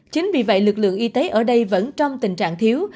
chính vì vậy lực lượng y tế ở đây vẫn trong tình trạng thiếu